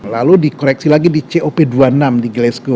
lalu dikoreksi lagi di cop dua puluh enam di glasgow